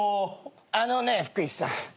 あのね福井さん。